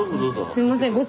すいません。